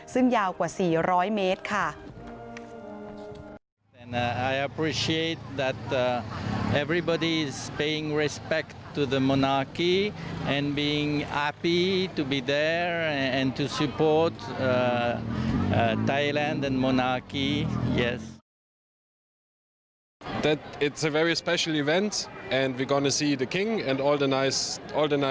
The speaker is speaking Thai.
ซึ่งยาวกว่า๔๐๐เมตรค่ะ